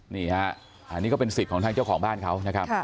นี่ฮะอันนี้ก็เป็นสิทธิ์ของทางเจ้าของบ้านเขานะครับ